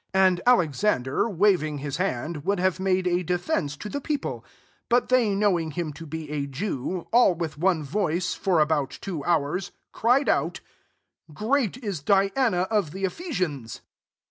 And Alexander wav ing hU hand, would have mad& a defence to the people : 34 bttt they knowing him to be a lewJ all with one voice, for abouC two hours, cried out, Great w Diana of the Ephesians."